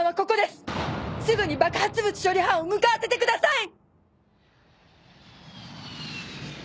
すぐに爆発物処理班を向かわせてください！